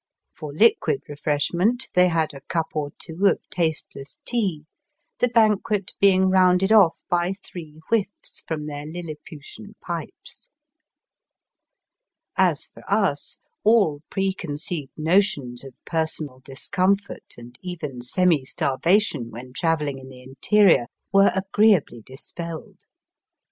For liquid refreshment they had had a cup or two of tasteless tea, the banquet being rounded off by three whiffs from their iniputian pipes. As for us all preconceived notions of per sonal discomfort, and even semi starvation when travelling in the interior, were agree ably dispelled.